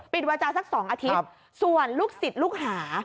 วาจาสัก๒อาทิตย์ส่วนลูกศิษย์ลูกหา